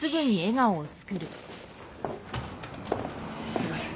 すいません。